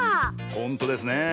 ほんとですねえ。